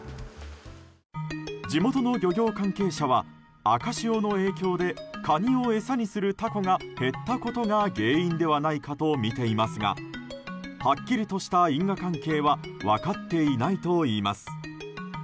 地元の漁業関係者は赤潮の影響でカニを餌にするタコが減ったことが原因ではないかとみていますがはっきりとした因果関係は分かっていないといいます。